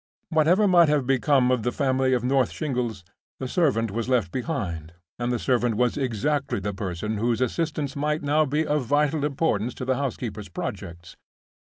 Whatever might have become of the family at North Shingles, the servant was left behind, and the servant was exactly the person whose assistance might now be of vital importance to the housekeeper's projects.